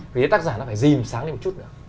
vì thế tác giả nó phải dìm sáng đi một chút nữa